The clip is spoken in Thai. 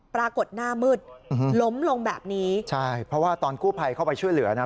ปรากฏหน้ามืดล้มลงแบบนี้ใช่เพราะว่าตอนกู้ภัยเข้าไปช่วยเหลือนะ